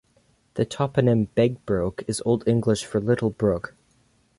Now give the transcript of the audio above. The toponym "Begbroke" is Old English for "Little Brook".